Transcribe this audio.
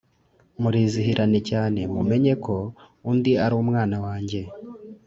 Murizihirane cyane mumenye ko undi ari umwana wanjye